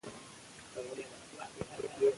ازادي راډیو د ترانسپورټ په اړه مثبت اغېزې تشریح کړي.